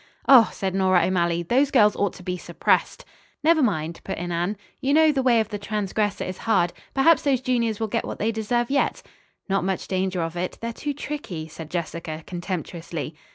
"Oh," said Nora O'Malley, "those girls ought to be suppressed." "Never mind," put in Anne. "You know 'the way of the transgressor is hard.' Perhaps those juniors will get what they deserve yet." "Not much danger of it. They're too tricky," said Jessica contemptuously.